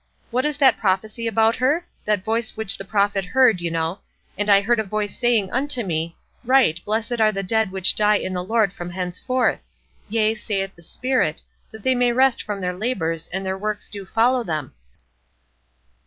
What is that prophecy about her? that voice which the prophet heard, you know, 'And I heard a voice saying unto me, Write, Blessed are the dead which die in the Lord from henceforth: Yea, saith the Spirit, that they may rest from their labors; and their works do follow them.'"